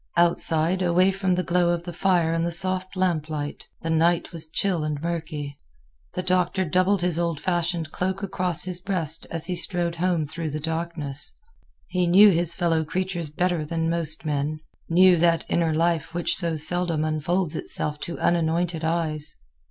Outside, away from the glow of the fire and the soft lamplight, the night was chill and murky. The Doctor doubled his old fashioned cloak across his breast as he strode home through the darkness. He knew his fellow creatures better than most men; knew that inner life which so seldom unfolds itself to unanointed eyes.